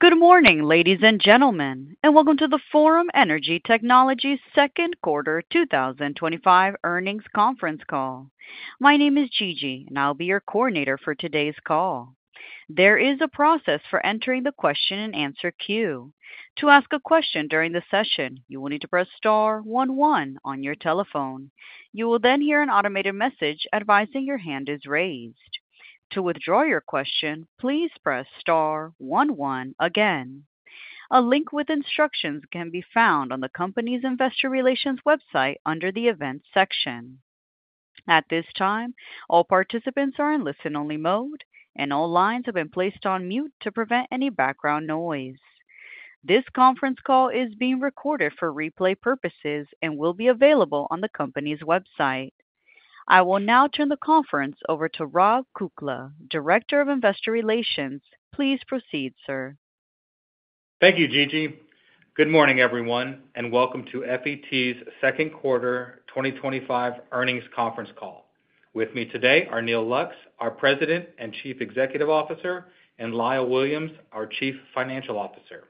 Good morning, ladies and gentlemen, and welcome to the Forum Energy Technologies Second Quarter 2025 Earnings conference Call. My name is Gigi, and I'll be your coordinator for today's call. There is a process for entering the question and answer queue. To ask a question during the session, you will need to press star one one on your telephone. You will then hear an automated message advising your hand is raised. To withdraw your question, please press star one one again. A link with instructions can be found on the company's investor relations website under the events section. At this time, all participants are in listen-only mode, and all lines have been placed on mute to prevent any background noise. This conference call is being recorded for replay purposes and will be available on the company's website. I will now turn the conference over to Rob Kukla, Director of Investor Relations. Please proceed, sir. Thank you, Gigi. Good morning, everyone, and welcome to FET's Second Quarter 2025 Earnings Conference Call. With me today are Neal Lux, our President and Chief Executive Officer, and Lyle Williams, our Chief Financial Officer.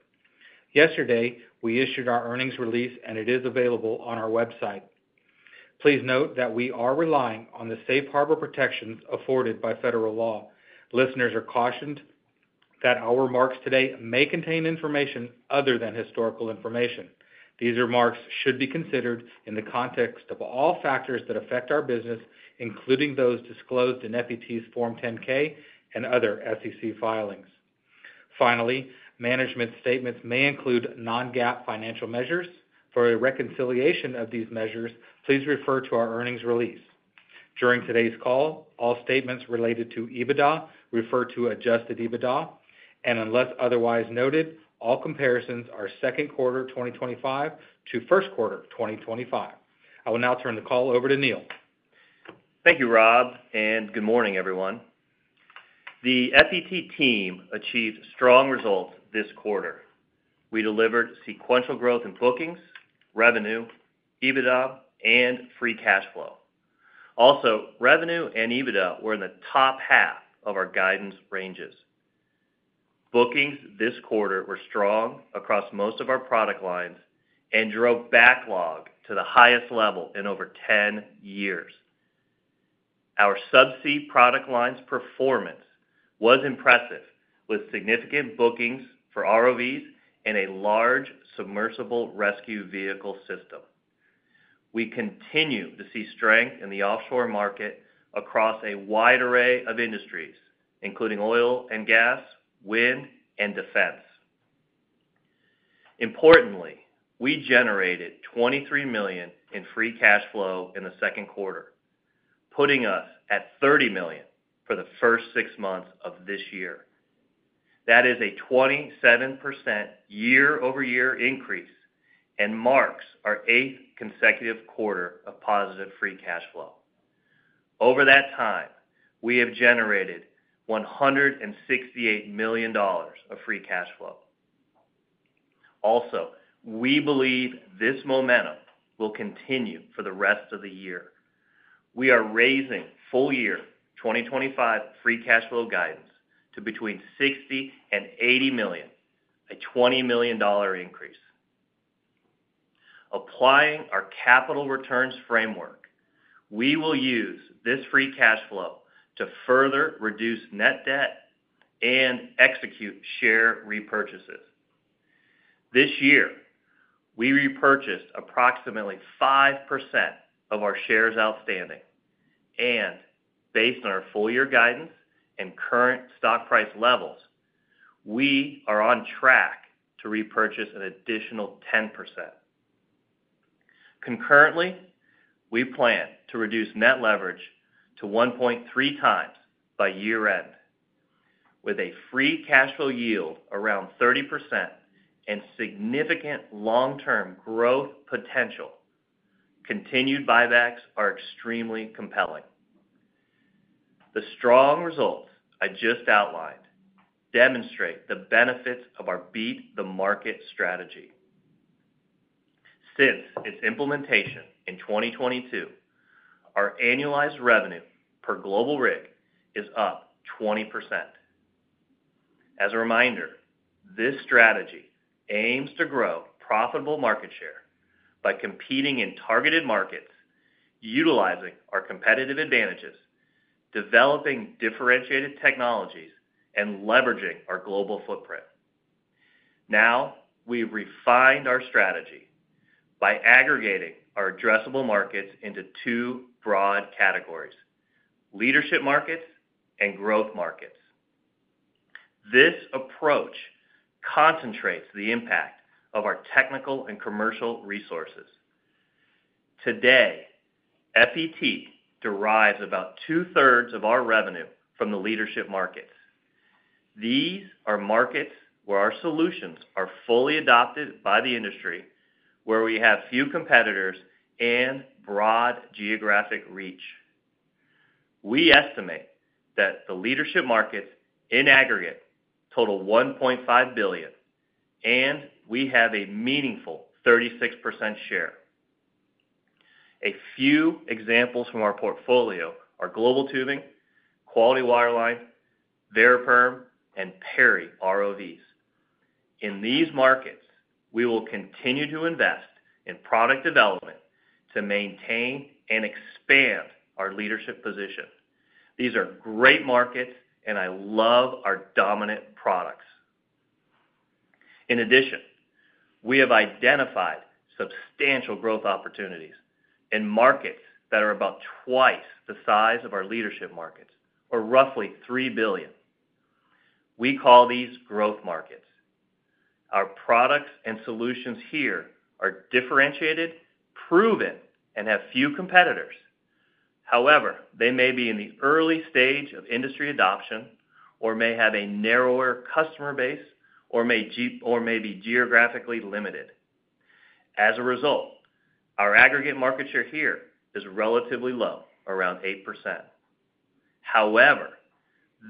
Yesterday, we issued our earnings release, and it is available on our website. Please note that we are relying on the safe harbor protections afforded by federal law. Listeners are cautioned that our remarks today may contain information other than historical information. These remarks should be considered in the context of all factors that affect our business, including those disclosed in FET's Form 10-K and other SEC filings. Finally, management statements may include non-GAAP financial measures. For a reconciliation of these measures, please refer to our earnings release. During today's call, all statements related to EBITDA refer to adjusted EBITDA, and unless otherwise noted, all comparisons are second quarter 2025 to first quarter 2025. I will now turn the call over to Neal. Thank you, Rob, and good morning, everyone. The FET team achieved strong results this quarter. We delivered sequential growth in bookings, revenue, EBITDA, and free cash flow. Also, revenue and EBITDA were in the top half of our guidance ranges. Bookings this quarter were strong across most of our product lines and drove backlog to the highest level in over 10 years. Our subsea product line's performance was impressive, with significant bookings for ROVs and a large submersible rescue vehicle system. We continue to see strength in the offshore market across a wide array of industries, including oil and gas, wind, and defense. Importantly, we generated $23 million in free cash flow in the second quarter, putting us at $30 million for the first six months of this year. That is a 27% year-over-year increase and marks our eighth consecutive quarter of positive free cash flow. Over that time, we have generated $168 million of free cash flow. Also, we believe this momentum will continue for the rest of the year. We are raising full-year 2025 free cash flow guidance to between $60 million and $80 million, a $20 million increase. Applying our capital returns framework, we will use this free cash flow to further reduce net debt and execute share repurchases. This year, we repurchased approximately 5% of our shares outstanding, and based on our full-year guidance and current stock price levels, we are on track to repurchase an additional 10%. Concurrently, we plan to reduce net leverage to 1.3x by year-end, with a free cash flow yield around 30% and significant long-term growth potential. Continued buybacks are extremely compelling. The strong results I just outlined demonstrate the benefits of our beat-the-market strategy. Since its implementation in 2022, our annualized revenue per global rig is up 20%. As a reminder, this strategy aims to grow profitable market share by competing in targeted markets, utilizing our competitive advantages, developing differentiated technologies, and leveraging our global footprint. Now, we've refined our strategy by aggregating our addressable markets into two broad categories: leadership markets and growth markets. This approach concentrates the impact of our technical and commercial resources. Today, FET derives about two-thirds of our revenue from the leadership markets. These are markets where our solutions are fully adopted by the industry, where we have few competitors and broad geographic reach. We estimate that the leadership markets in aggregate total $1.5 billion, and we have a meaningful 36% share. A few examples from our portfolio are Global Tubing, Quality Wireline, Variperm, and Perry ROVs. In these markets, we will continue to invest in product development to maintain and expand our leadership position. These are great markets, and I love our dominant products. In addition, we have identified substantial growth opportunities in markets that are about twice the size of our leadership markets, or roughly $3 billion. We call these growth markets. Our products and solutions here are differentiated, proven, and have few competitors. However, they may be in the early stage of industry adoption or may have a narrower customer base or may be geographically limited. As a result, our aggregate market share here is relatively low, around 8%. However,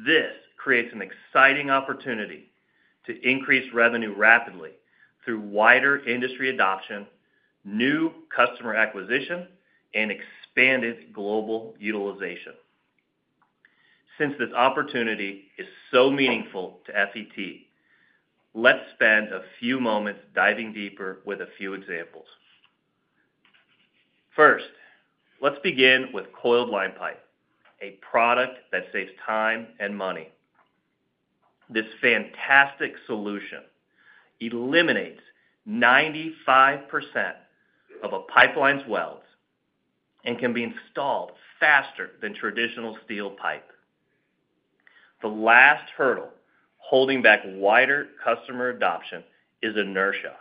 this creates an exciting opportunity to increase revenue rapidly through wider industry adoption, new customer acquisition, and expanded global utilization. Since this opportunity is so meaningful to FET, let's spend a few moments diving deeper with a few examples. First, let's begin with Coiled Line Pipe, a product that saves time and money. This fantastic solution eliminates 95% of a pipeline's welds and can be installed faster than traditional steel pipe. The last hurdle holding back wider customer adoption is inertia.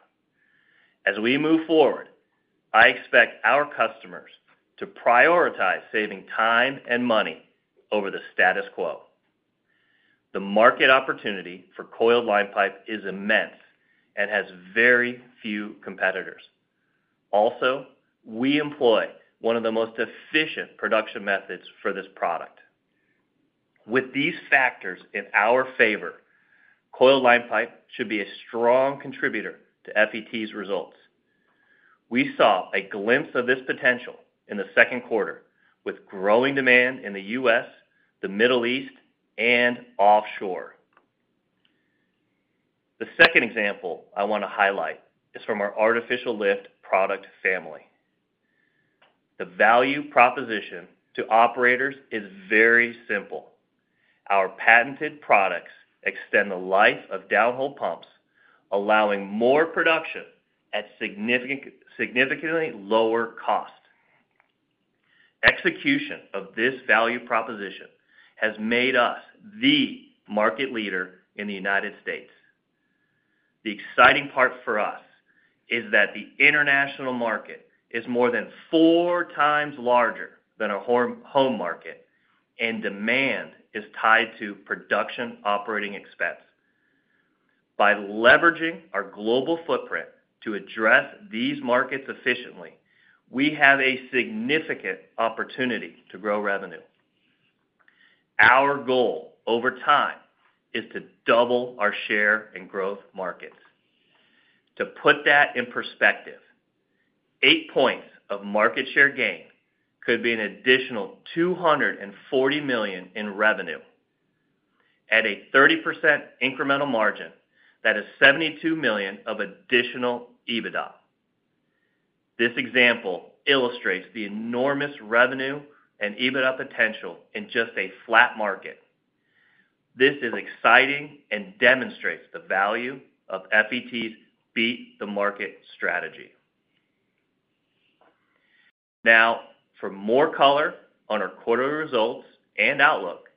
As we move forward, I expect our customers to prioritize saving time and money over the status quo. The market opportunity for Coiled Line Pipe is immense and has very few competitors. Also, we employ one of the most efficient production methods for this product. With these factors in our favor, Coiled Line Pipe should be a strong contributor to FET's results. We saw a glimpse of this potential in the second quarter with growing demand in the U.S., the Middle East, and offshore. The second example I want to highlight is from artificial lift product family. The value proposition to operators is very simple. Our patented products extend the life of downhole pumps, allowing more production at significantly lower cost. Execution of this value proposition has made us the market leader in the United States. The exciting part for us is that the international market is more than 4x larger than our home market, and demand is tied to production operating expense. By leveraging our global footprint to address these markets efficiently, we have a significant opportunity to grow revenue. Our goal over time is to double our share in growth markets. To put that in perspective, eight points of market share gain could be an additional $240 million in revenue at a 30% incremental margin. That is $72 million of additional EBITDA. This example illustrates the enormous revenue and EBITDA potential in just a flat market. This is exciting and demonstrates the value of FET's beat-the-market strategy. Now, for more color on our quarterly results and outlook,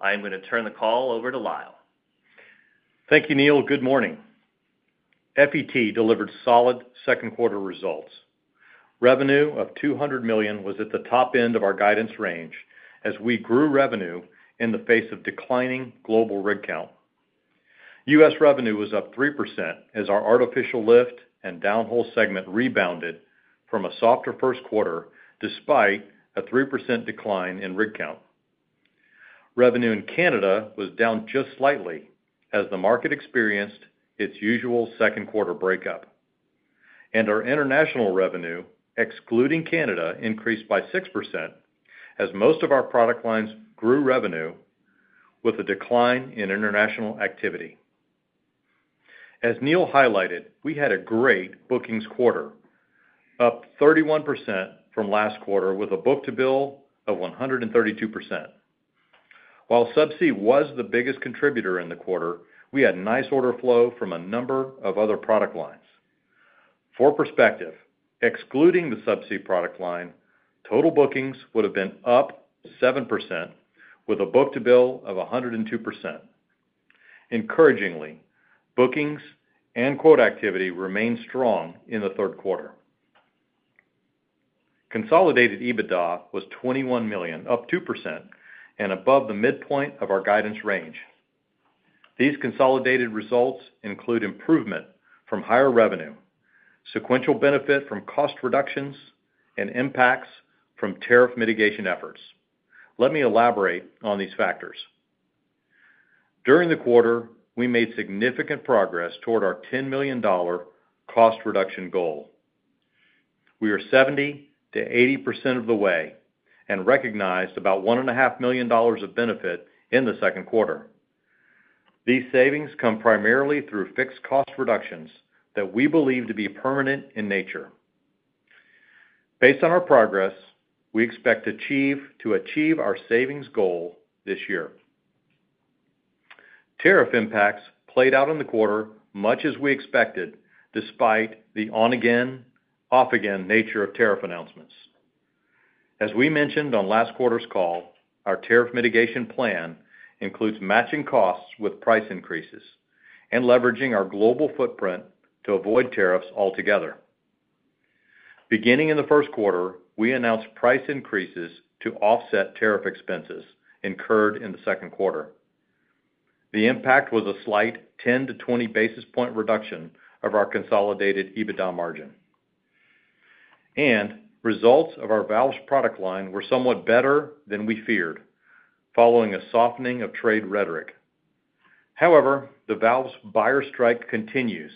I am going to turn the call over to Lyle. Thank you, Neal. Good morning. FET delivered solid second quarter results. Revenue of $200 million was at the top end of our guidance range as we grew revenue in the face of declining global rig count. U.S. revenue was up 3% as artificial lift and downhole segment rebounded from a softer first quarter despite a 3% decline in rig count. Revenue in Canada was down just slightly as the market experienced its usual second quarter breakup, and our international revenue, excluding Canada, increased by 6% as most of our product lines grew revenue with a decline in international activity. As Neal highlighted, we had a great bookings quarter, up 31% from last quarter with a book-to-bill of 132%. While subsea was the biggest contributor in the quarter, we had nice order flow from a number of other product lines. For perspective, excluding the subsea product line, total bookings would have been up 7% with a book-to-bill of 102%. Encouragingly, bookings and quote activity remained strong in the third quarter. Consolidated EBITDA was $21 million, up 2% and above the midpoint of our guidance range. These consolidated results include improvement from higher revenue, sequential benefit from cost reductions, and impacts from tariff mitigation efforts. Let me elaborate on these factors. During the quarter, we made significant progress toward our $10 million cost reduction goal. We are 70%-80% of the way and recognized about $1.5 million of benefit in the second quarter. These savings come primarily through fixed cost reductions that we believe to be permanent in nature. Based on our progress, we expect to achieve our savings goal this year. Tariff impacts played out in the quarter much as we expected, despite the on-again, off-again nature of tariff announcements. As we mentioned on last quarter's call, our tariff mitigation plan includes matching costs with price increases and leveraging our global footprint to avoid tariffs altogether. Beginning in the first quarter, we announced price increases to offset tariff expenses incurred in the second quarter. The impact was a slight 10-20 basis point reduction of our consolidated EBITDA margin. Results of our valves product line were somewhat better than we feared following a softening of trade rhetoric. However, the valves buyer strike continues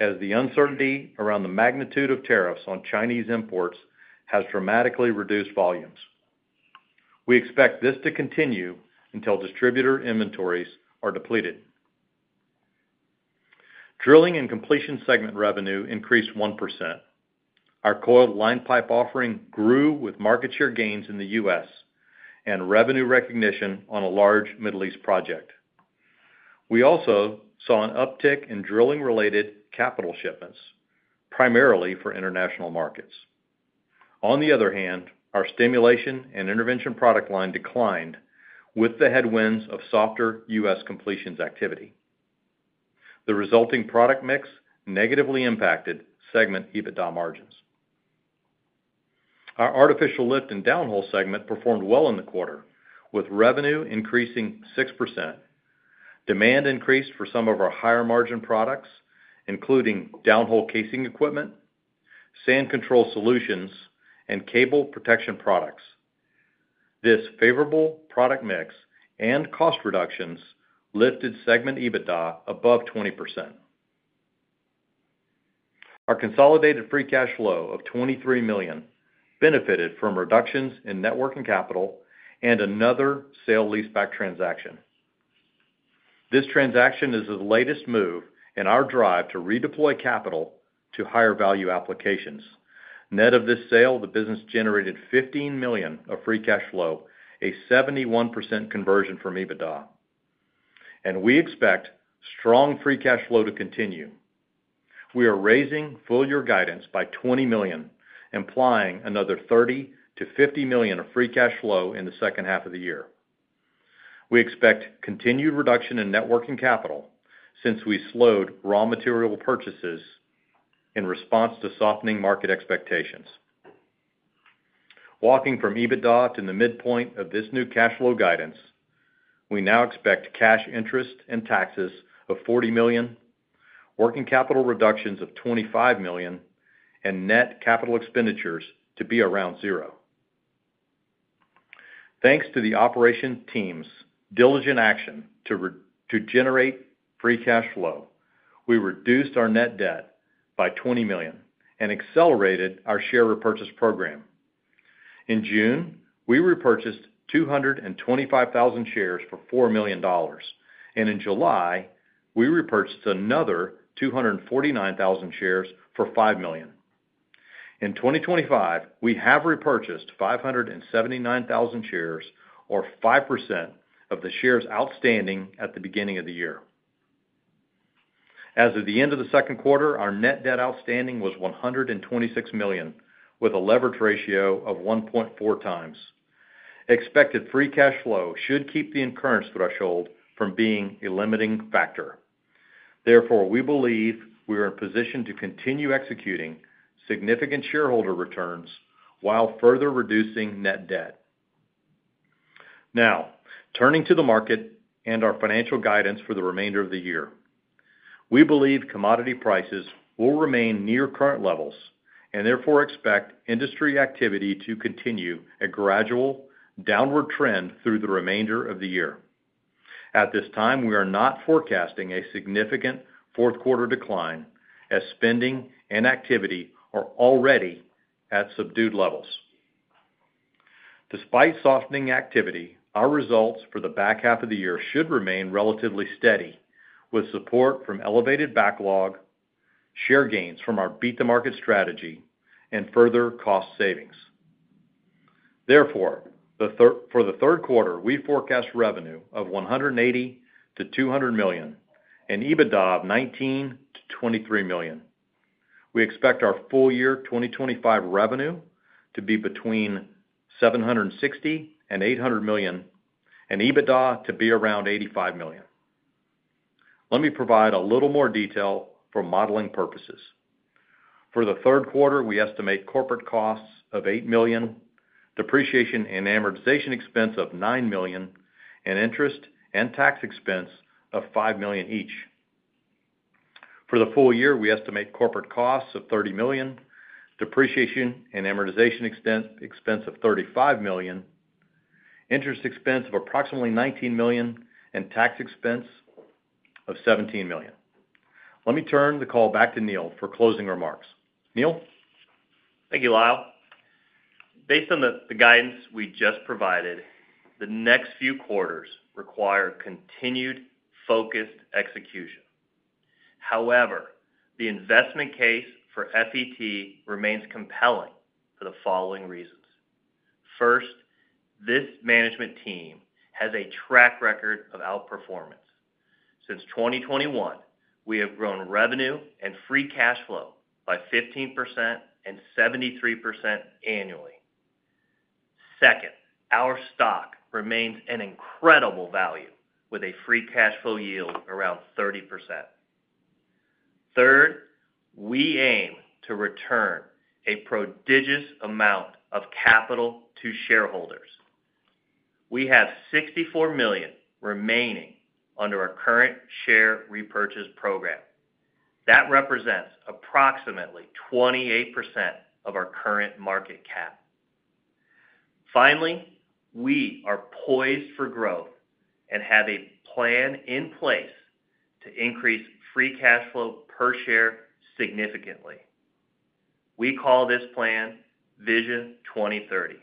as the uncertainty around the magnitude of tariffs on Chinese imports has dramatically reduced volumes. We expect this to continue until distributor inventories are depleted. Drilling and completion segment revenue increased 1%. Our Coiled Line Pipe offering grew with market share gains in the U.S. and revenue recognition on a large Middle East project. We also saw an uptick in drilling-related capital shipments, primarily for international markets. On the other hand, our stimulation and intervention product line declined with the headwinds of softer U.S. completions activity. The resulting product mix negatively impacted segment EBITDA margins. Artificial lift and downhole segment performed well in the quarter, with revenue increasing 6%. Demand increased for some of our higher margin products, including downhole casing equipment, sand control solutions, and cable protection products. This favorable product mix and cost reductions lifted segment EBITDA above 20%. Our consolidated free cash flow of $23 million benefited from reductions in working capital and another sale leaseback transaction. This transaction is the latest move in our drive to redeploy capital to higher value applications. Net of this sale, the business generated $15 million of free cash flow, a 71% conversion from EBITDA. We expect strong free cash flow to continue. We are raising full-year guidance by $20 million, implying another $30 million-$50 million of free cash flow in the second half of the year. We expect continued reduction in working capital since we slowed raw material purchases in response to softening market expectations. Walking from EBITDA to the midpoint of this new cash flow guidance, we now expect cash interest and taxes of $40 million, working capital reductions of $25 million, and net capital expenditures to be around $0. Thanks to the operations team's diligent action to generate free cash flow, we reduced our net debt by $20 million and accelerated our share repurchase program. In June, we repurchased 225,000 shares for $4 million, and in July, we repurchased another 249,000 shares for $5 million. In 2024, we have repurchased 579,000 shares, or 5% of the shares outstanding at the beginning of the year. As of the end of the second quarter, our net debt outstanding was $126 million, with a leverage ratio of 1.4x. Expected free cash flow should keep the incurrence threshold from being a limiting factor. Therefore, we believe we are in a position to continue executing significant shareholder returns while further reducing net debt. Now, turning to the market and our financial guidance for the remainder of the year, we believe commodity prices will remain near current levels and therefore expect industry activity to continue a gradual downward trend through the remainder of the year. At this time, we are not forecasting a significant fourth quarter decline as spending and activity are already at subdued levels. Despite softening activity, our results for the back half of the year should remain relatively steady with support from elevated backlog, share gains from our beat-the-market strategy, and further cost savings. Therefore, for the third quarter, we forecast revenue of $180 million-$200 million and EBITDA of $19 million-$23 million. We expect our full-year 2025 revenue to be between $760 million and $800 million and EBITDA to be around $85 million. Let me provide a little more detail for modeling purposes. For the third quarter, we estimate corporate costs of $8 million, depreciation and amortization expense of $9 million, and interest and tax expense of $5 million each. For the full year, we estimate corporate costs of $30 million, depreciation and amortization expense of $35 million, interest expense of approximately $19 million, and tax expense of $17 million. Let me turn the call back to Neal for closing remarks. Neal? Thank you, Lyle. Based on the guidance we just provided, the next few quarters require continued focused execution. However, the investment case for FET remains compelling for the following reasons. First, this management team has a track record of outperformance. Since 2021, we have grown revenue and free cash flow by 15% and 73% annually. Second, our stock remains an incredible value with a free cash flow yield around 30%. Third, we aim to return a prodigious amount of capital to shareholders. We have $64 million remaining under our current share repurchase program. That represents approximately 28% of our current market cap. Finally, we are poised for growth and have a plan in place to increase free cash flow per share significantly. We call this plan Vision 2030.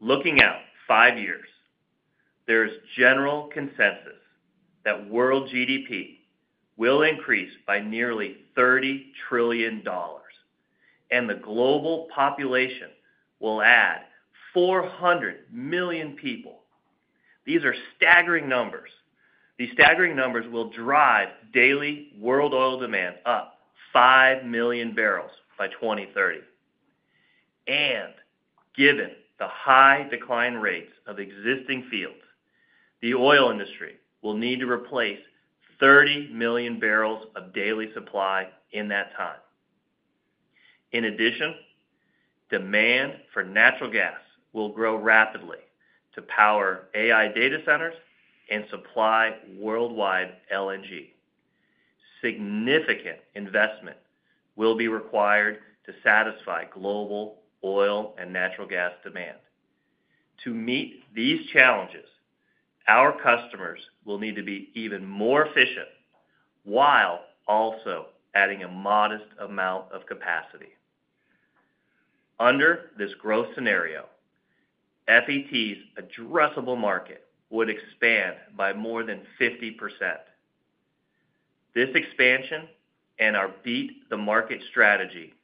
Looking out five years, there is general consensus that world GDP will increase by nearly $30 trillion, and the global population will add 400 million people. These are staggering numbers. These staggering numbers will drive daily world oil demand up 5 million barrels by 2030. Given the high decline rates of existing fields, the oil industry will need to replace 30 million barrels of daily supply in that time. In addition, demand for natural gas will grow rapidly to power AI data centers and supply worldwide LNG. Significant investment will be required to satisfy global oil and natural gas demand. To meet these challenges, our customers will need to be even more efficient while also adding a modest amount of capacity. Under this growth scenario, FET's addressable market would expand by more than 50%. This expansion and our beat-the-market strategy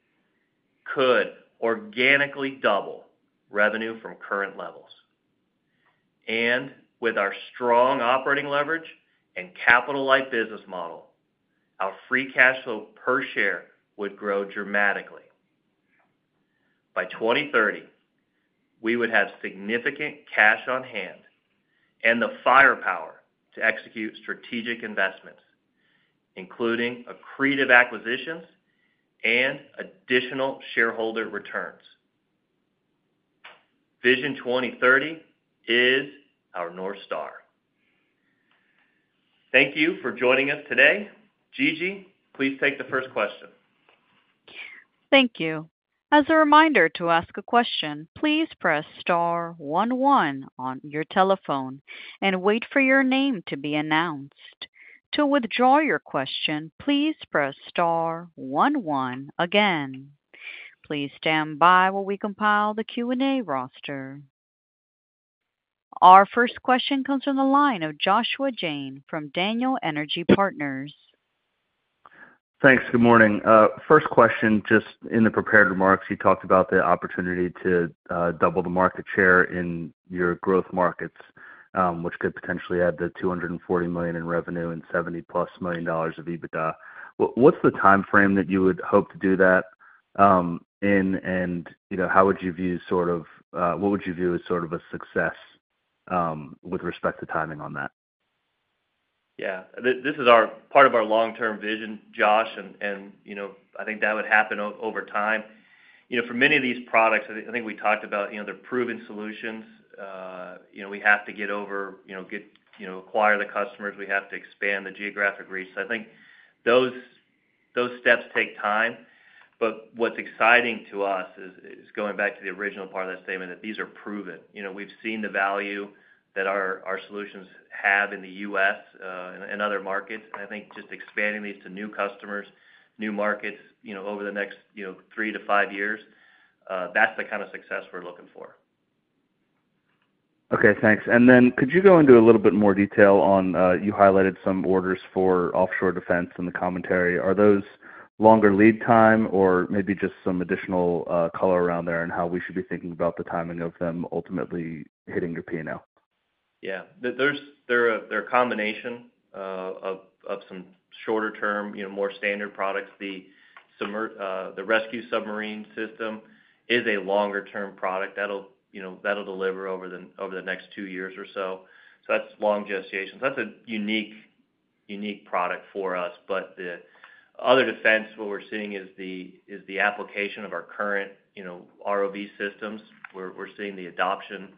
could organically double revenue from current levels. With our strong operating leverage and capital-light business model, our free cash flow per share would grow dramatically. By 2030, we would have significant cash on hand and the firepower to execute strategic investments, including accretive acquisitions and additional shareholder returns. Vision 2030 is our North Star. Thank you for joining us today. Gigi, please take the first question. Thank you. As a reminder to ask a question, please press star one one on your telephone and wait for your name to be announced. To withdraw your question, please press star one one again. Please stand by while we compile the Q&A roster. Our first question comes from the line of Joshua Jayne from Daniel Energy Partners. Thanks. Good morning. First question, just in the prepared remarks, you talked about the opportunity to double the market share in your growth markets, which could potentially add the $240 million in revenue and $70+ million of EBITDA. What's the timeframe that you would hope to do that in, and how would you view sort of what would you view as sort of a success with respect to timing on that? Yeah. This is part of our long-term vision, Josh, and I think that would happen over time. For many of these products, I think we talked about, they're proven solutions. We have to get over, get, acquire the customers. We have to expand the geographic reach. I think those steps take time. What's exciting to us is going back to the original part of that statement that these are proven. We've seen the value that our solutions have in the U.S. and other markets. I think just expanding these to new customers, new markets, over the next three to five years, that's the kind of success we're looking for. Okay. Thanks. Could you go into a little bit more detail on you highlighted some orders for offshore defense in the commentary? Are those longer lead time, or maybe just some additional color around there and how we should be thinking about the timing of them ultimately hitting your P&L? Yeah. They're a combination of some shorter-term, you know, more standard products. The submersible rescue vehicle system is a longer-term product that'll deliver over the next two years or so. That's long gestations. That's a unique product for us. The other defense, what we're seeing is the application of our current ROV systems. We're seeing the adoption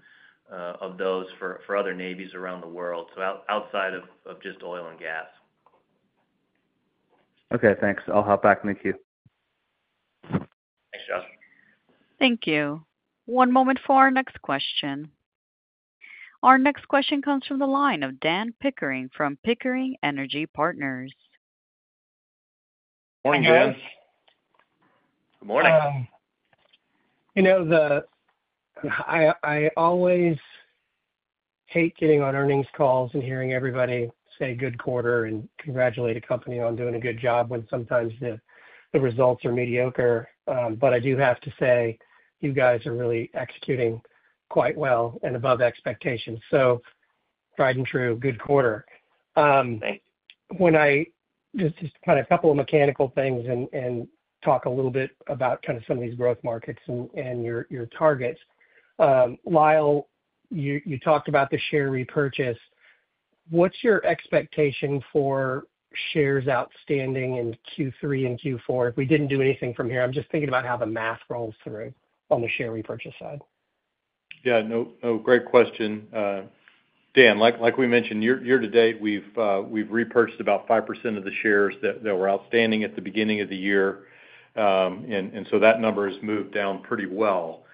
of those for other navies around the world, outside of just oil and gas. Thanks, I'll hop back in the queue. Thanks, Josh. Thank you. One moment for our next question. Our next question comes from the line of Dan Pickering from Pickering Energy Partners. Morning, Dan. Morning. You know. I always hate getting on earnings calls and hearing everybody say good quarter and congratulate a company on doing a good job when sometimes the results are mediocre. I do have to say you guys are really executing quite well and above expectations. Tried and true, good quarter. Thanks. When I just kind of a couple of mechanical things and talk a little bit about kind of some of these growth markets and your targets. Lyle, you talked about the share repurchase. What's your expectation for shares outstanding in Q3 and Q4 if we didn't do anything from here? I'm just thinking about how the math rolls through on the share repurchase side. Yeah. No, great question. Dan, like we mentioned, year to date, we've repurchased about 5% of the shares that were outstanding at the beginning of the year. That number has moved down pretty well.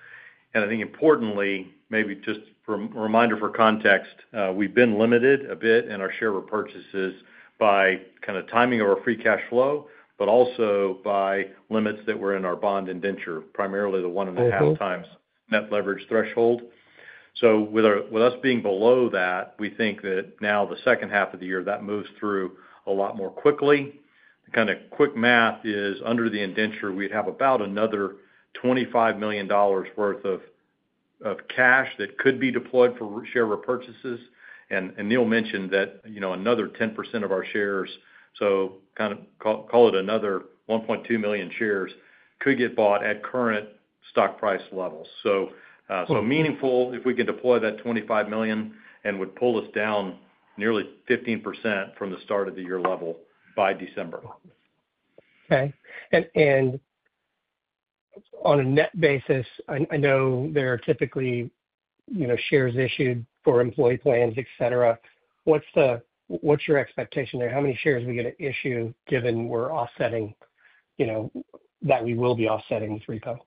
I think importantly, maybe just for a reminder for context, we've been limited a bit in our share repurchases by kind of timing of our free cash flow, but also by limits that were in our bond indenture, primarily the 1.5x net leverage threshold. With us being below that, we think that now the second half of the year moves through a lot more quickly. The kind of quick math is under the indenture, we'd have about another $25 million worth of cash that could be deployed for share repurchases. Neal mentioned that another 10% of our shares, so kind of call it another 1.2 million shares, could get bought at current stock price levels. That would be meaningful if we could deploy that $25 million and would pull us down nearly 15% from the start-of-the-year level by December. Okay. On a net basis, I know there are typically, you know, shares issued for employee plans, etc. What's your expectation there? How many shares are we going to issue given we're offsetting, you know, that we will be offsetting this repo?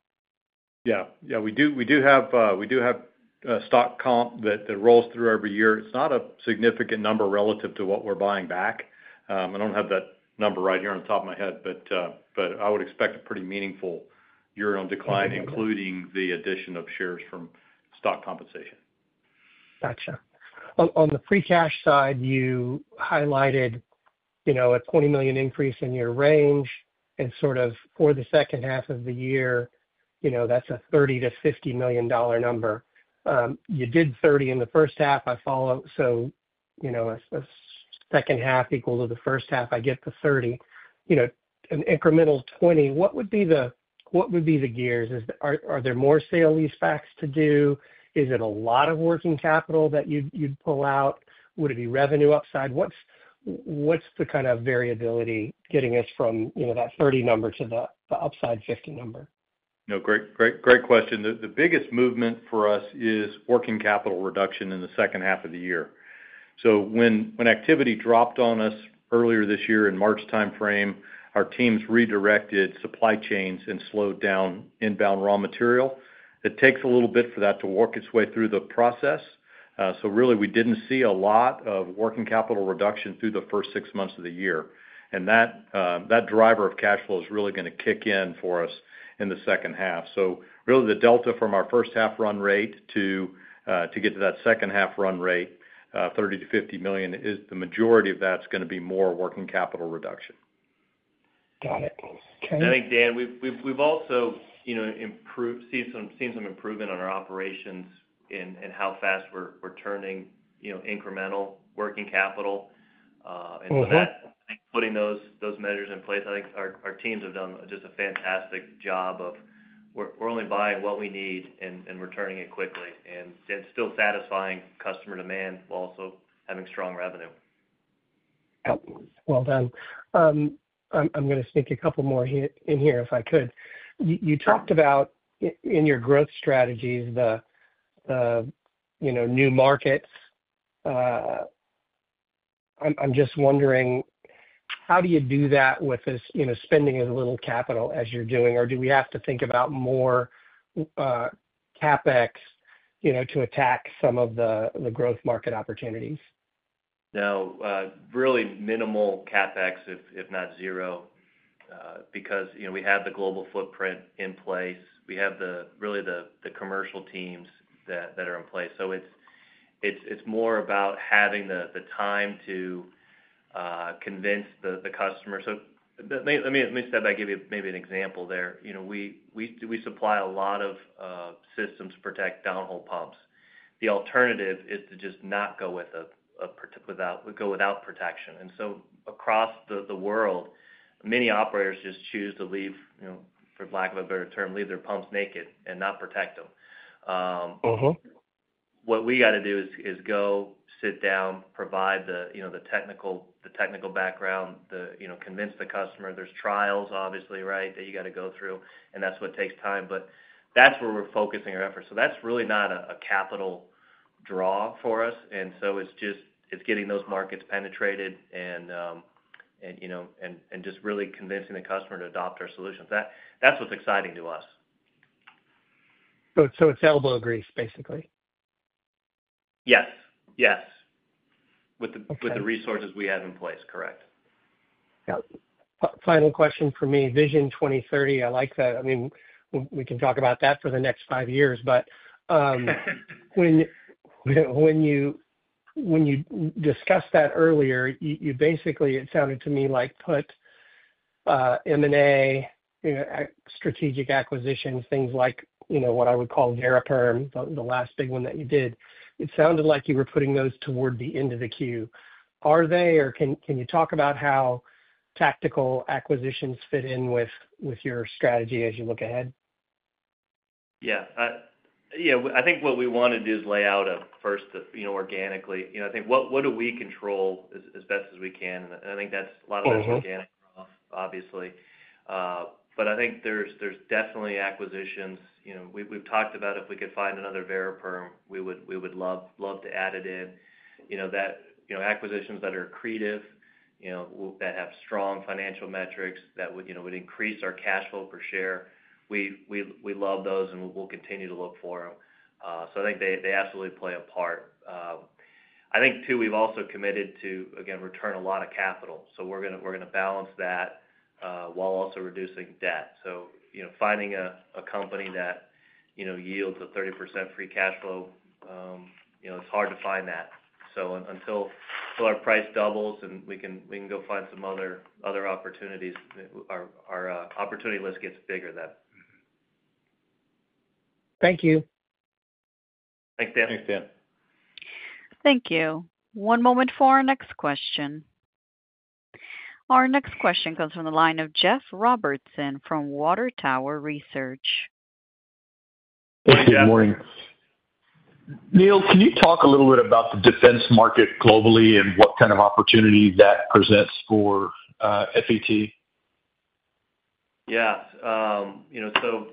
Yeah, we do have a stock comp that rolls through every year. It's not a significant number relative to what we're buying back. I don't have that number right here on the top of my head, but I would expect a pretty meaningful year-end decline, including the addition of shares from stock compensation. Gotcha. On the free cash flow side, you highlighted, you know, a $20 million increase in your range. For the second half of the year, that's a $30 million-$50 million number. You did $30 million in the first half. I follow. A second half equal to the first half, I get the $30 million, you know, an incremental $20 million. What would be the gears? Are there more sale leasebacks to do? Is it a lot of working capital that you'd pull out? Would it be revenue upside? What's the kind of variability getting us from that $30 million number to the upside $50 million number? Great question. The biggest movement for us is working capital reduction in the second half of the year. When activity dropped on us earlier this year in the March timeframe, our teams redirected supply chains and slowed down inbound raw material. It takes a little bit for that to work its way through the process. We didn't see a lot of working capital reduction through the first six months of the year. That driver of cash flow is really going to kick in for us in the second half. The delta from our first half run rate to get to that second half run rate, $30 million-$50 million, the majority of that's going to be more working capital reduction. Got it. Okay. I think, Dan, we've also seen some improvement on our operations and how fast we're turning incremental working capital. With that said, putting those measaures in place, our teams have done just a fantastic job of we're only buying what we need and returning it quickly and still satisfying customer demand while also having strong revenue. I'm going to sneak a couple more in here if I could. You talked about in your growth strategies the new markets. I'm just wondering, how do you do that with this, you know, spending as little capital as you're doing, or do we have to think about more CapEx, you know, to attack some of the growth market opportunities? No, really minimal CapEx, if not zero, because, you know, we have the global footprint in place. We have really the commercial teams that are in place. It's more about having the time to convince the customer. Let me step back, give you maybe an example there. We supply a lot of systems to protect downhole pumps. The alternative is to just not go without protection. Across the world, many operators just choose to leave, for lack of a better term, leave their pumps naked and not protect them. What we got to do is go, sit down, provide the technical background, convince the customer. There are trials, obviously, that you got to go through, and that's what takes time. That's where we're focusing our efforts. That's really not a capital draw for us. It's just getting those markets penetrated and just really convincing the customer to adopt our solutions. That's what's exciting to us. It's elbow grease, basically? Yes, with the resources we have in place, correct. Yeah. Final question for me. Vision 2030, I like that. We can talk about that for the next five years. When you discussed that earlier, you basically, it sounded to me like put M&A, strategic acquisitions, things like, you know, what I would call Variperm, the last big one that you did. It sounded like you were putting those toward the end of the queue. Are they, or can you talk about how tactical acquisitions fit in with your strategy as you look ahead? I think what we want to do is lay out first, you know, organically. I think what do we control as best as we can? I think that's a lot of that's organic growth, obviously. I think there's definitely acquisitions. We've talked about if we could find another Variperm, we would love to add it in. Acquisitions that are accretive, that have strong financial metrics that would increase our cash flow per share. We love those, and we'll continue to look for them. I think they absolutely play a part. I think, too, we've also committed to, again, return a lot of capital. We're going to balance that while also reducing debt. Finding a company that yields a 30% free cash flow, it's hard to find that. Until our price doubles and we can go find some other opportunities, our opportunity list gets bigger then. Thank you. Thanks, Dan. Thanks, Dan. Thank you. One moment for our next question. Our next question comes from the line of Jeff Robertson from Water Tower Research. Thank you. Good morning. Neal, can you talk a little bit about the defense market globally and what kind of opportunity that presents for FET? Yeah. A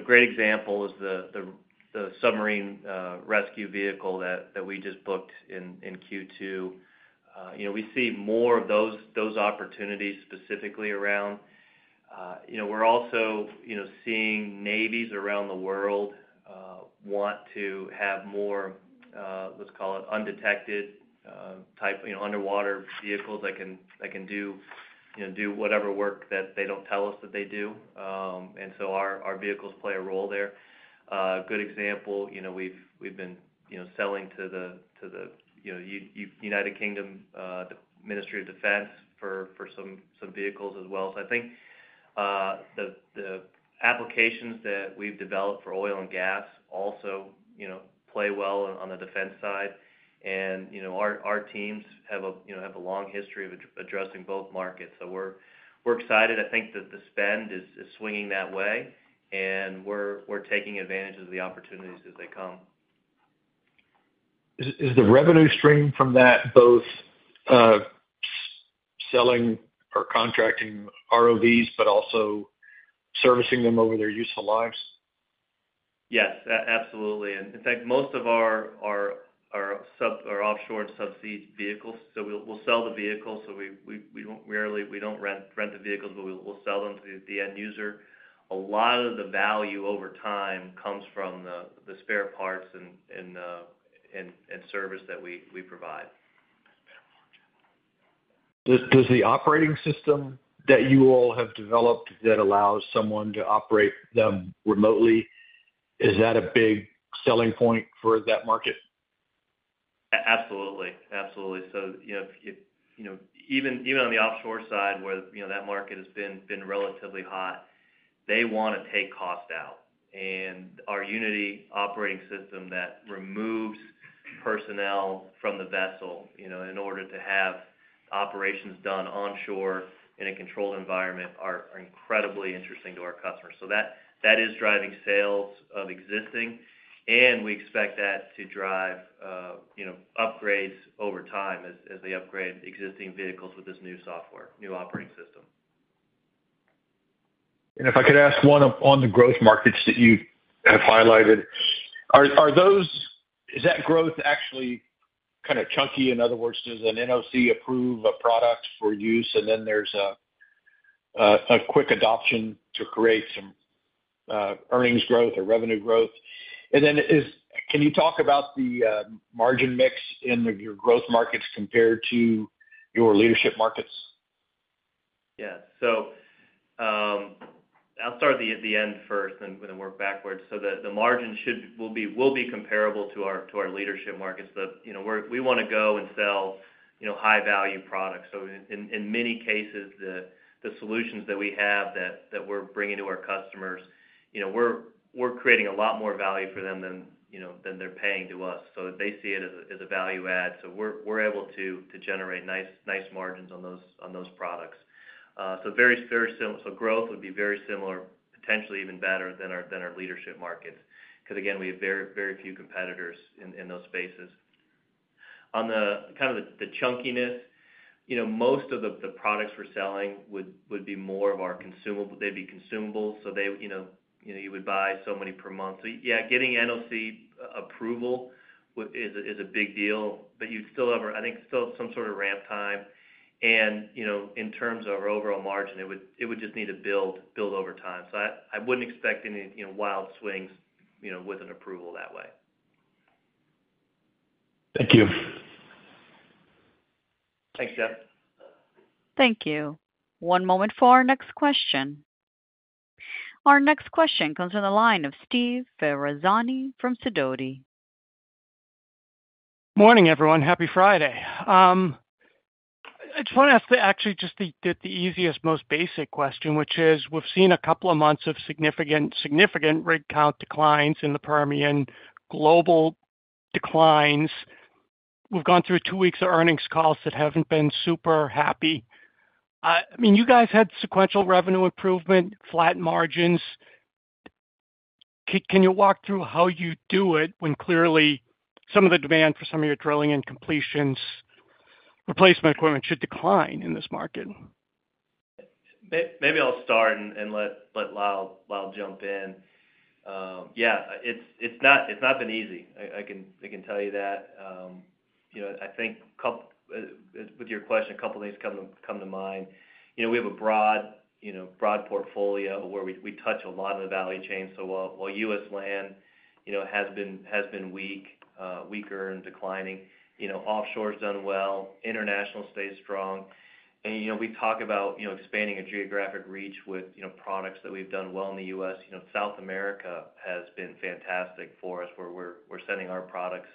great example is the submarine rescue vehicle system that we just booked in Q2. We see more of those opportunities specifically around. We're also seeing navies around the world want to have more, let's call it undetected type, underwater vehicles that can do whatever work that they don't tell us that they do. Our vehicles play a role there. A good example, we've been selling to the United Kingdom Ministry of Defense for some vehicles as well. I think the applications that we've developed for oil and gas also play well on the defense side. Our teams have a long history of addressing both markets. We're excited. I think that the spend is swinging that way, and we're taking advantage of the opportunities as they come. Is the revenue stream from that both selling or contracting ROVs, but also servicing them over their useful lives? Yes, absolutely. In fact, most of our offshore subsea vehicles, we'll sell the vehicle. We don't rent the vehicles, but we'll sell them to the end user. A lot of the value over time comes from the spare parts and service that we provide. Does the operating system that you all have developed that allows someone to operate them remotely, is that a big selling point for that market? Absolutely. Absolutely. Even on the offshore side where that market has been relatively hot, they want to take cost out. Our Unity operating system that removes personnel from the vessel in order to have operations done onshore in a controlled environment is incredibly interesting to our customers. That is driving sales of existing, and we expect that to drive upgrades over time as they upgrade existing vehicles with this new software, new operating system. If I could ask one on the growth markets that you have highlighted, are those, is that growth actually kind of chunky? In other words, does an NOC approve a product for use, and then there's a quick adoption to create some earnings growth or revenue growth? Can you talk about the margin mix in your growth markets compared to your leadership markets? I'll start at the end first and then work backwards. The margin should be comparable to our leadership markets. We want to go and sell high-value products. In many cases, the solutions that we have that we're bringing to our customers are creating a lot more value for them than they're paying to us. They see it as a value add, so we're able to generate nice margins on those products. Growth would be very similar, potentially even better than our leadership markets because we have very few competitors in those spaces. On the chunkiness, most of the products we're selling would be more of our consumable. They'd be consumable, so you would buy so many per month. Getting NOC approval is a big deal, but you'd still have some sort of ramp time. In terms of our overall margin, it would just need to build over time. I wouldn't expect any wild swings with an approval that way. Thank you. Thanks, Jeff. Thank you. One moment for our next question. Our next question comes from the line of Steve Ferazani from Sidoti. Morning, everyone. Happy Friday. I just want to ask actually just the easiest, most basic question, which is we've seen a couple of months of significant rig count declines in the Permian, global declines. We've gone through two weeks of earnings calls that haven't been super happy. I mean, you guys had sequential revenue improvement, flat margins. Can you walk through how you do it when clearly some of the demand for some of your drilling and completions, replacement equipment should decline in this market? Maybe I'll start and let Lyle jump in. Yeah, it's not been easy. I can tell you that. I think with your question, a couple of things come to mind. We have a broad portfolio where we touch a lot of the value chain. While U.S. land has been weaker and declining, offshore has done well. International stays strong. We talk about expanding a geographic reach with products that we've done well in the U.S. South America has been fantastic for us where we're sending our products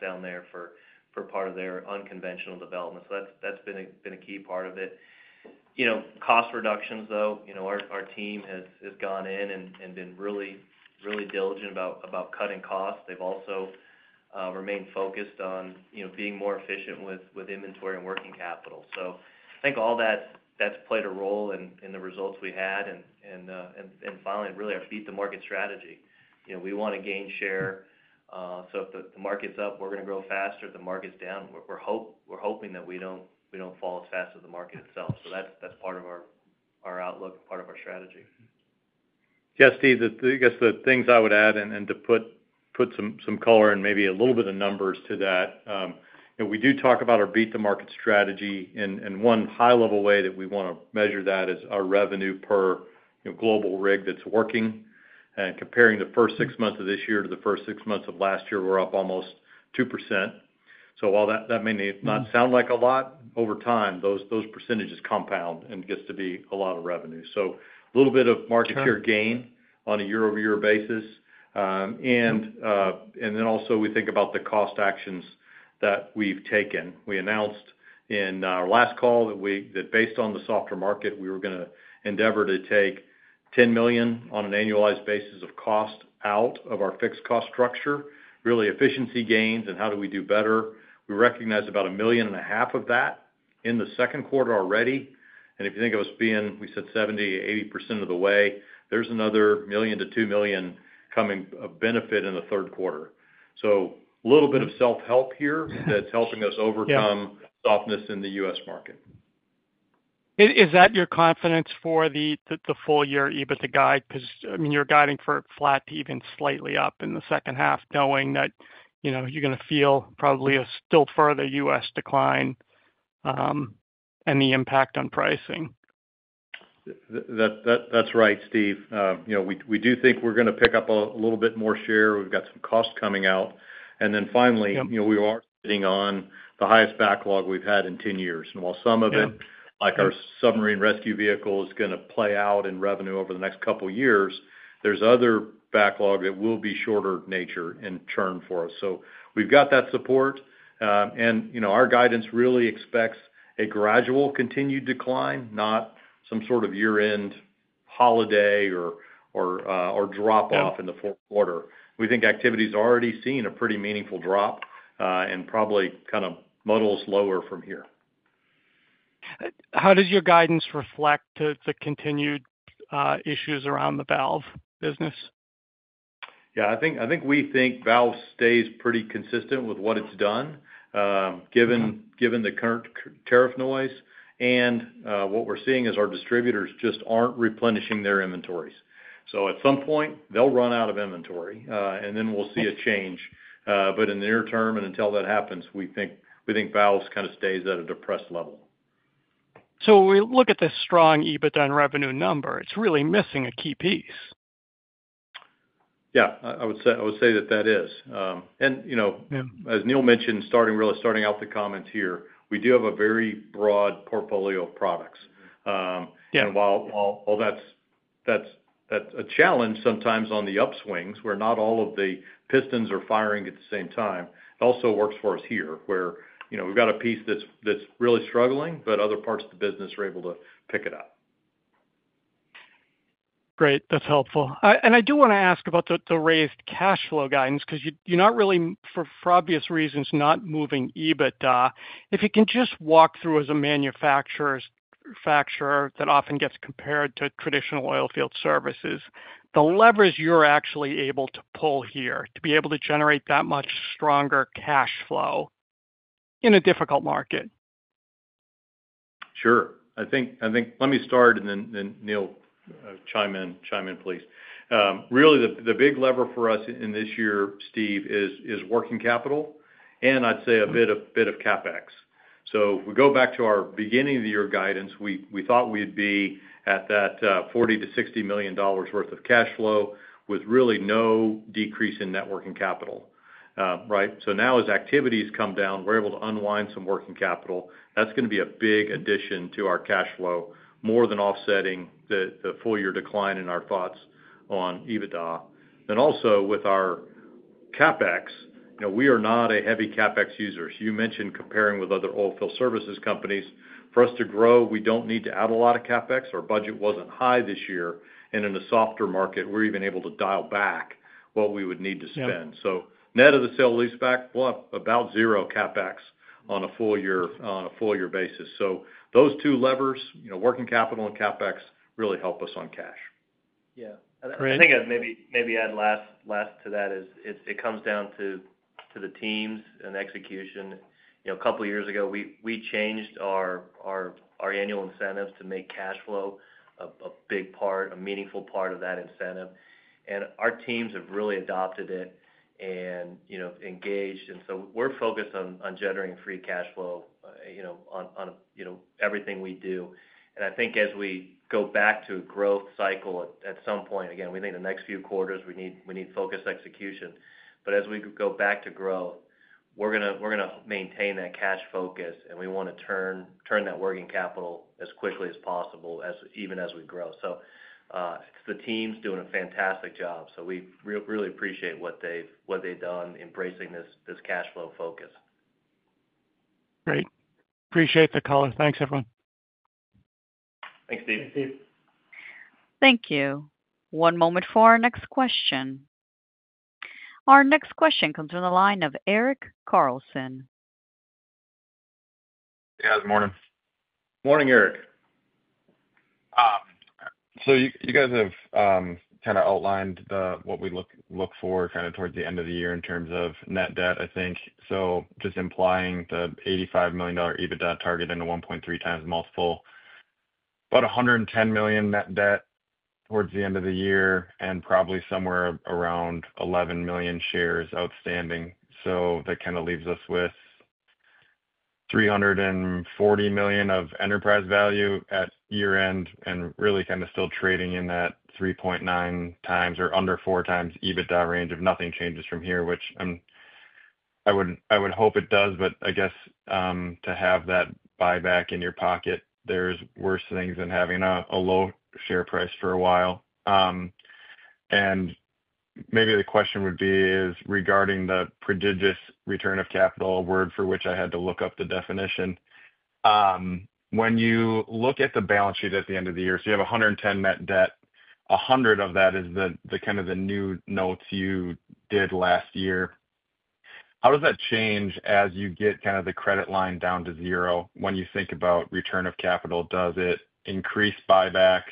down there for part of their unconventional development. That's been a key part of it. Cost reductions, though, our team has gone in and been really, really diligent about cutting costs. They've also remained focused on being more efficient with inventory and working capital. I think all that's played a role in the results we had. Finally, really, our beat-the-market strategy. We want to gain share. If the market's up, we're going to grow faster. If the market's down, we're hoping that we don't fall as fast as the market itself. That's part of our outlook and part of our strategy. Yeah, Steve, I guess the things I would add to put some color and maybe a little bit of numbers to that. You know, we do talk about our beat-the-market strategy. One high-level way that we want to measure that is our revenue per global rig that's working. Comparing the first six months of this year to the first six months of last year, we're up almost 2%. While that may not sound like a lot, over time, those percentages compound and it gets to be a lot of revenue. A little bit of market share gain on a year-over-year basis. We also think about the cost actions that we've taken. We announced in our last call that based on the softer market, we were going to endeavor to take $10 million on an annualized basis of cost out of our fixed cost structure, really efficiency gains, and how do we do better? We recognized about $1.5 million of that in the second quarter already. If you think of us being, we said 70%, 80% of the way, there's another $1 million-$2 million coming of benefit in the third quarter. A little bit of self-help here that's helping us overcome softness in the U.S. market. Is that your confidence for the full-year EBITDA guide? Because I mean, you're guiding for flat to even slightly up in the second half, knowing that you know you're going to feel probably a still further U.S. decline and the impact on pricing. That's right, Steve. We do think we're going to pick up a little bit more share. We've got some costs coming out. Finally, we are sitting on the highest backlog we've had in 10 years. While some of it, like our submarine rescue vehicle system, is going to play out in revenue over the next couple of years, there's other backlog that will be shorter in nature and churn for us. We've got that support. Our guidance really expects a gradual continued decline, not some sort of year-end holiday or drop-off in the fourth quarter. We think activity has already seen a pretty meaningful drop and probably kind of muddles lower from here. How does your guidance reflect the continued issues around the valve business? Yeah, I think we think valve stays pretty consistent with what it's done, given the current tariff-related challenges. What we're seeing is our distributors just aren't replenishing their inventories. At some point, they'll run out of inventory, and we'll see a change. In the near term, until that happens, we think valve kind of stays at a depressed level. When we look at this strong EBITDA and revenue number, it's really missing a key piece. I would say that that is. As Neal mentioned, starting out the comments here, we do have a very broad portfolio of products. While that's a challenge sometimes on the upswings where not all of the pistons are firing at the same time, it also works for us here where we've got a piece that's really struggling, but other parts of the business are able to pick it up. Great. That's helpful. I do want to ask about the raised cash flow guidance because you're not really, for obvious reasons, not moving EBITDA. If you can just walk through as a manufacturer that often gets compared to traditional oilfield services, the levers you're actually able to pull here to be able to generate that much stronger cash flow in a difficult market. Sure. I think let me start and then Neal, chime in, please. Really, the big lever for us in this year, Steve, is working capital and I'd say a bit of CapEx. We go back to our beginning-of-the-year guidance. We thought we'd be at that $40 million-$60 million worth of cash flow with really no decrease in net working capital, right? Now as activities come down, we're able to unwind some working capital. That's going to be a big addition to our cash flow, more than offsetting the full-year decline in our thoughts on EBITDA. Also, with our CapEx, you know, we are not a heavy CapEx user. You mentioned comparing with other oilfield services companies. For us to grow, we don't need to add a lot of CapEx. Our budget wasn't high this year, and in a softer market, we're even able to dial back what we would need to spend. Net of the sale leaseback, we'll have about zero CapEx on a full-year basis. Those two levers, working capital and CapEx, really help us on cash. Yeah. I think I'd maybe add last to that is it comes down to the teams and execution. A couple of years ago, we changed our annual incentives to make cash flow a big part, a meaningful part of that incentive. Our teams have really adopted it and engaged. We're focused on generating free cash flow on everything we do. I think as we go back to a growth cycle at some point, again, we think the next few quarters we need focused execution. As we go back to growth, we're going to maintain that cash focus, and we want to turn that working capital as quickly as possible, even as we grow. The team's doing a fantastic job. We really appreciate what they've done embracing this cash flow focus. Great. Appreciate the color. Thanks, everyone. Thanks, Steve. Thanks, Steve. Thank you. One moment for our next question. Our next question comes from the line of [Eric Carlson]. Yeah. Good morning. Morning, Eric. You guys have kind of outlined what we look for toward the end of the year in terms of net debt, I think. Just implying the $85 million EBITDA target and the 1.3x multiple, about $110 million net debt towards the end of the year, and probably somewhere around 11 million shares outstanding. That kind of leaves us with $340 million of enterprise value at year-end and really kind of still trading in that 3.9x or under 4x EBITDA range if nothing changes from here, which I would hope it does. I guess to have that buyback in your pocket, there's worse things than having a low share price for a while. Maybe the question would be regarding the prodigious return of capital, a word for which I had to look up the definition. When you look at the balance sheet at the end of the year, you have $110 million net debt, $100 million of that is kind of the new notes you did last year. How does that change as you get the credit line down to zero? When you think about return of capital, does it increase buybacks?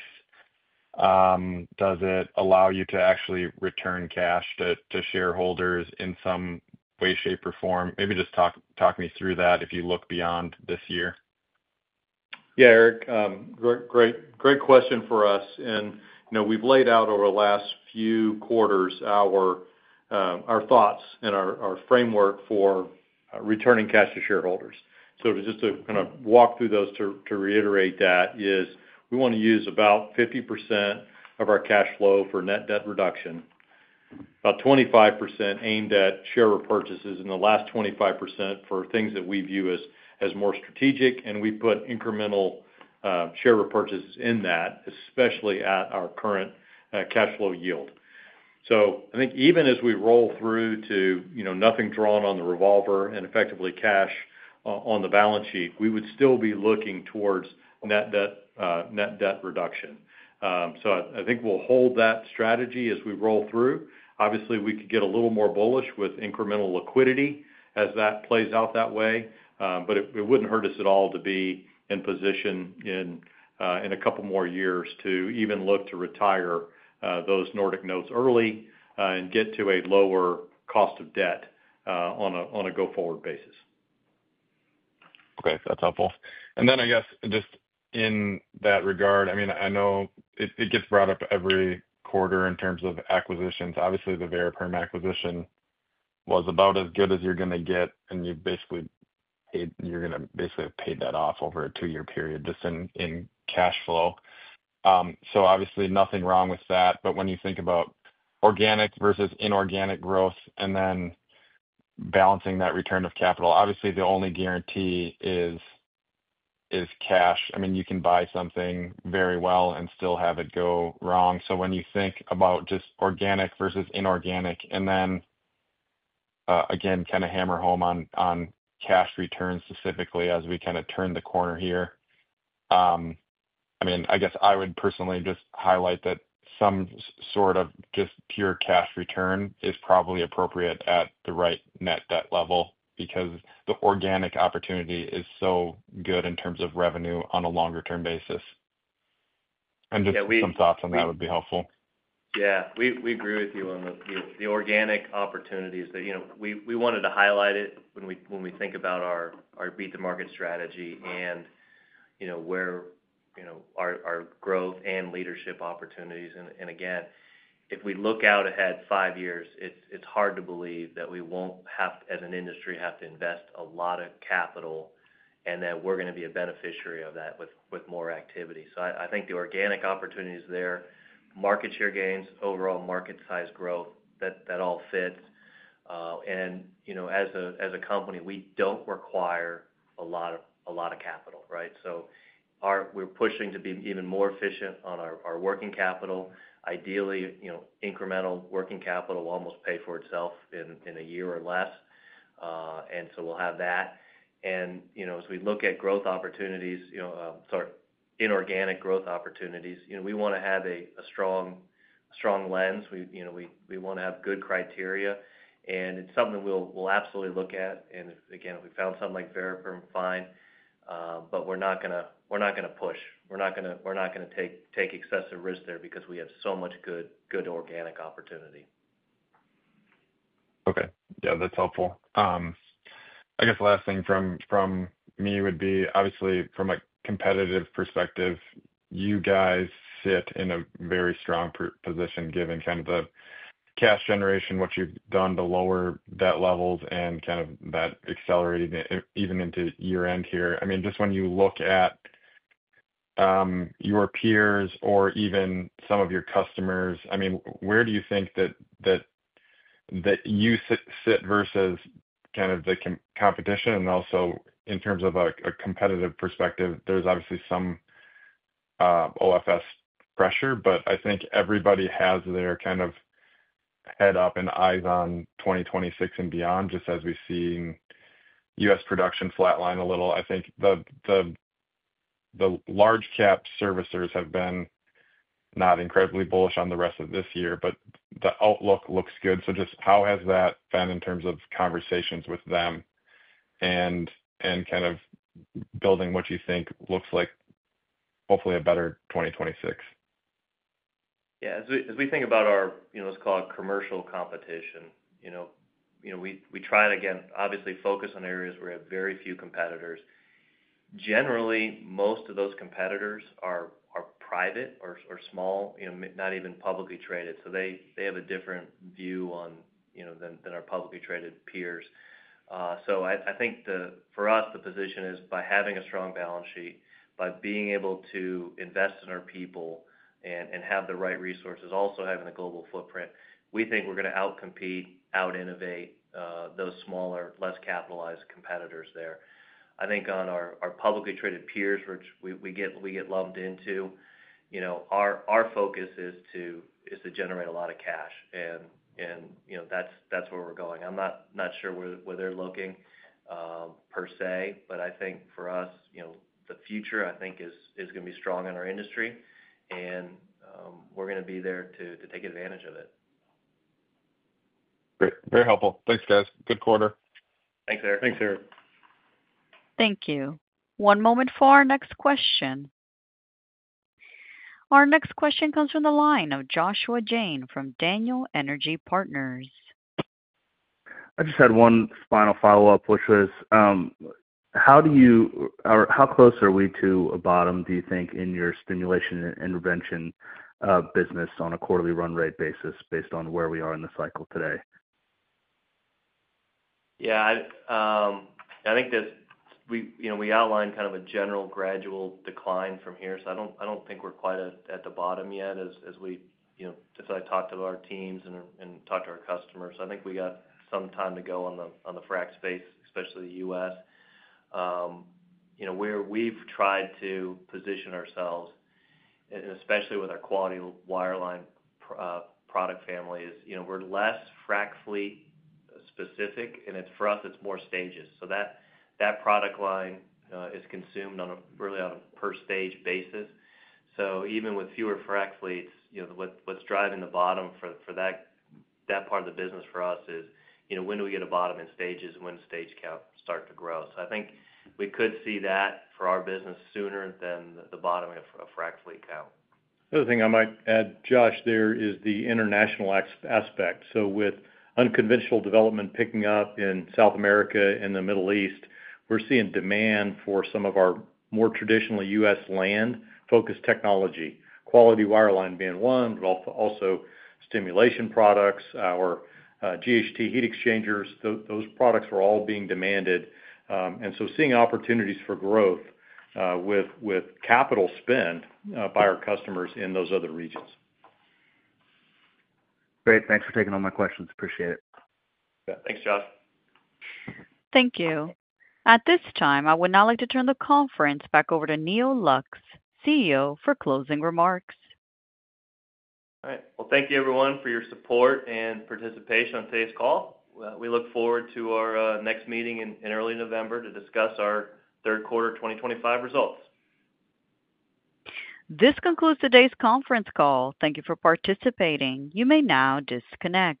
Does it allow you to actually return cash to shareholders in some way, shape, or form? Maybe just talk me through that if you look beyond this year. Yeah, Eric. Great question for us. You know we've laid out over the last few quarters our thoughts and our framework for returning cash to shareholders. Just to kind of walk through those to reiterate, that is we want to use about 50% of our cash flow for net debt reduction, about 25% aimed at share repurchases, and the last 25% for things that we view as more strategic. We put incremental share repurchases in that, especially at our current cash flow yield. I think even as we roll through to nothing drawn on the revolver and effectively cash on the balance sheet, we would still be looking towards net debt reduction. I think we'll hold that strategy as we roll through. Obviously, we could get a little more bullish with incremental liquidity as that plays out that way. It wouldn't hurt us at all to be in position in a couple more years to even look to retire those Nordic notes early and get to a lower cost of debt on a go-forward basis. Okay. That's helpful. I know it gets brought up every quarter in terms of acquisitions. Obviously, the Variperm acquisition was about as good as you're going to get, and you basically paid that off over a two-year period just in cash flow. Obviously, nothing wrong with that. When you think about organic versus inorganic growth and then balancing that return of capital, obviously, the only guarantee is cash. You can buy something very well and still have it go wrong. When you think about just organic versus inorganic, and then again, kind of hammer home on cash returns specifically as we kind of turn the corner here, I guess I would personally just highlight that some sort of just pure cash return is probably appropriate at the right net debt level because the organic opportunity is so good in terms of revenue on a longer-term basis. Just some thoughts on that would be helpful. Yeah. We agree with you on the organic opportunities that we wanted to highlight when we think about our beat-the-market strategy and where our growth and leadership opportunities are. Again, if we look out ahead five years, it's hard to believe that we won't have, as an industry, to invest a lot of capital and that we're going to be a beneficiary of that with more activity. I think the organic opportunities are there, market share gains, overall market size growth, that all fits. As a company, we don't require a lot of capital, right? We're pushing to be even more efficient on our working capital. Ideally, incremental working capital will almost pay for itself in a year or less, and so we'll have that. As we look at growth opportunities, inorganic growth opportunities, we want to have a strong lens. We want to have good criteria, and it's something we'll absolutely look at. Again, if we found something like Variperm, fine, but we're not going to push. We're not going to take excessive risks there because we have so much good organic opportunity. Okay. Yeah, that's helpful. I guess the last thing from me would be, obviously, from a competitive perspective, you guys sit in a very strong position given kind of the cash generation, what you've done to lower debt levels, and kind of that accelerating even into year-end here. I mean, just when you look at your peers or even some of your customers, I mean, where do you think that you sit versus kind of the competition? Also, in terms of a competitive perspective, there's obviously some OFS pressure, but I think everybody has their kind of head up and eyes on 2026 and beyond, just as we've seen U.S. production flatline a little. I think the large-cap servicers have been not incredibly bullish on the rest of this year, but the outlook looks good. Just how has that been in terms of conversations with them and kind of building what you think looks like hopefully a better 2026? As we think about our commercial competition, we try to focus on areas where we have very few competitors. Generally, most of those competitors are private or small, not even publicly traded. They have a different view than our publicly traded peers. For us, the position is by having a strong balance sheet, by being able to invest in our people and have the right resources, also having a global footprint, we think we're going to outcompete, outinnovate those smaller, less capitalized competitors. On our publicly traded peers, which we get lumped into, our focus is to generate a lot of cash. That's where we're going. I'm not sure where they're looking per se, but for us, the future is going to be strong in our industry, and we're going to be there to take advantage of it. Very helpful. Thanks, guys. Good quarter. Thanks, Eric. Thanks, Eric. Thank you. One moment for our next question. Our next question comes from the line of Joshua Jayne from Daniel Energy Partners. I just had one final follow-up, which was, how do you, or how close are we to a bottom, do you think, in your stimulation and intervention business on a quarterly run rate basis based on where we are in the cycle today? Yeah. I think there's, you know, we outlined kind of a general gradual decline from here. I don't think we're quite at the bottom yet as I talked to our teams and talked to our customers. I think we got some time to go on the frac space, especially the U.S. Where we've tried to position ourselves, and especially with our Quality Wireline product family, is we're less frac fleet specific, and for us, it's more stages. That product line is consumed really on a per-stage basis. Even with fewer frac fleets, what's driving the bottom for that part of the business for us is when do we get a bottom in stages and when does stage count start to grow? I think we could see that for our business sooner than the bottom of a frac fleet count. The other thing I might add, Josh, is the international aspect. With unconventional development picking up in South America and the Middle East, we're seeing demand for some of our more traditionally U.S. land-focused technology, Quality Wireline being one, but also stimulation products or GHT heat exchangers. Those products are all being demanded, and we're seeing opportunities for growth with capital spend by our customers in those other regions. Great. Thanks for taking all my questions. Appreciate it. Yeah. Thanks, Josh. Thank you. At this time, I would now like to turn the conference back over to Neal Lux, CEO, for closing remarks. Thank you, everyone, for your support and participation on today's call. We look forward to our next meeting in early November to discuss our third quarter 2025 results. This concludes today's conference call. Thank you for participating. You may now disconnect.